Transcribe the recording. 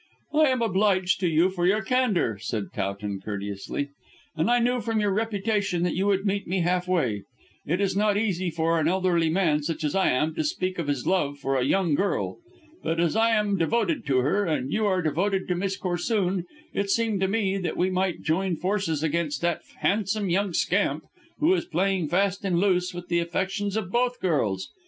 "I am obliged to you for your candour," said Towton courteously; "and I knew from your reputation that you would meet me half way. It is not easy for an elderly man, such as I am, to speak of his love for a young girl. But as I am devoted to her, and you are devoted to Miss Corsoon, it seemed to me that we might join forces against that handsome young scamp, who is playing fast and loose with the affections of both the girls.